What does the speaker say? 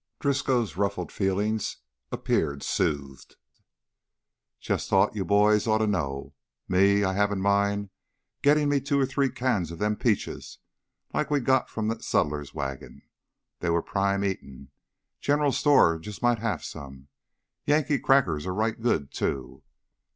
Driscoll's ruffled feelings appeared soothed. "Jus' thought you boys oughta know. Me, I have in mind gittin' maybe two or three cans of them peaches like we got from the sutler's wagon. Them were prime eatin'. General store might jus' have some. Yankee crackers are right good, too.